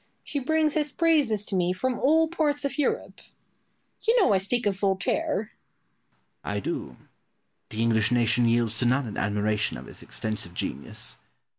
She brings his praises to me from all parts of Europe. You know I speak of Voltaire. Pope. I do; the English nation yields to none in admiration of his extensive genius.